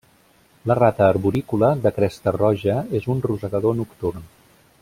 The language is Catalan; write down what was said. La rata arborícola de cresta roja és un rosegador nocturn.